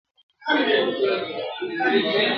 چي هر پل یې د مجنون دی نازوه مي ..